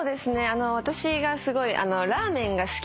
私がすごいラーメンが好きで。